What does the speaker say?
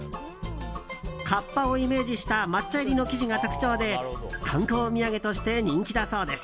カッパをイメージした抹茶入りの生地が特徴で観光土産として人気だそうです。